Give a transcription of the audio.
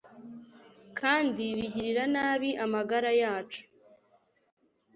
kandi bigirira nabi amagara yacu